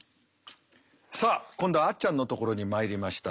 さあ今度はあっちゃんのところに参りました。